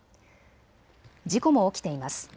事故も起きています。